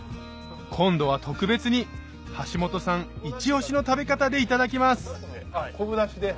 今度は特別に橋本さん一押しの食べ方でいただきます昆布だしで。